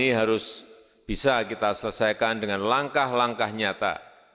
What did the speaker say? ini harus bisa kita selesaikan dengan langkah langkah nyata